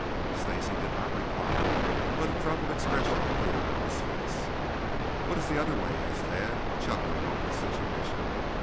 Stacy did not reply, but a troubled expression appeared on his face. "What is the other way?" asked Tad, chuckling over the situation.